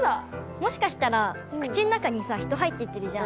もしかしたら口の中にさ人入ってってるじゃん。